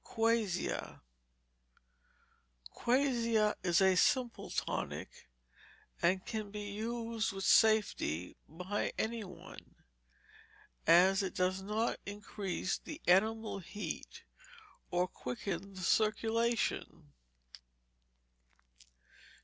Quassia Quassia is a simple tonic, and can be used with safety by any one, as it does not increase the animal heat, or quicken the circulation.